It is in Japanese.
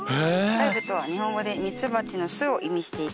「Ｈｉｖｅとは日本語でミツバチの巣を意味していて」